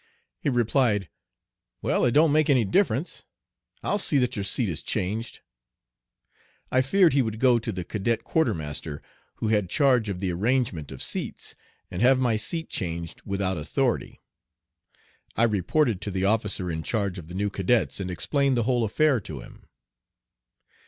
He replied, "Well, it don't make any difference. I'll see that your seat is changed." I feared he would go to the cadet quartermaster, who had charge of the arrangement of seats, and have my seat changed without authority. I reported to the officer in charge of the new cadets, and explained the whole affair to him.